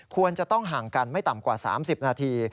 ควรจะต้องห่างกันไม่ต่ำกว่า๓๐นาที